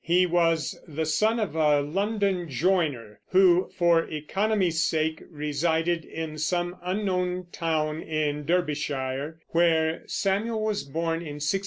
He was the son of a London joiner, who, for economy's sake, resided in some unknown town in Derbyshire, where Samuel was born in 1689.